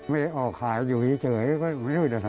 ไม่ได้ออกขายอยู่นี่เจ๋ยก็ไม่ได้วิจัยทำ